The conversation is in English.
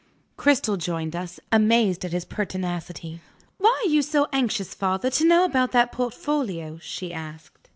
Cristel joined us, amazed at his pertinacity. "Why are you so anxious, father, to know about that portfolio?" she asked.